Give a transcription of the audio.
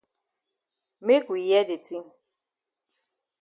Make we hear de tin.